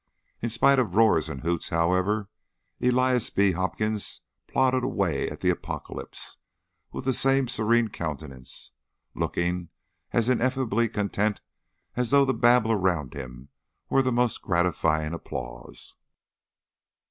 In spite of roars and hoots, however, Elias B. Hopkins plodded away at the Apocalypse with the same serene countenance, looking as ineffably contented as though the babel around him were the most gratifying applause.